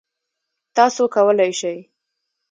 تاسو کولی شئ